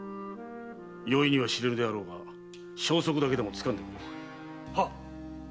容易には知れぬであろうが消息だけでもつかんでくれ。